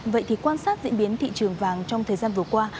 vậy thì quan sát diễn biến thị trường vàng trong thời gian vừa qua